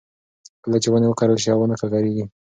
کله چې ونې وکرل شي، هوا نه ککړېږي.